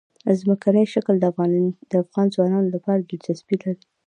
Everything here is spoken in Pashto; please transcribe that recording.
ځمکنی شکل د افغان ځوانانو لپاره دلچسپي لري.